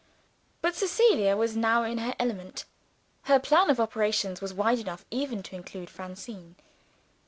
But Cecilia was now in her element. Her plan of operations was wide enough even to include Francine.